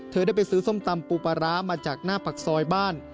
เธอได้ไปซื้อส้มตำปูปลาร้ามาจากหน้าปากซอยบ้าน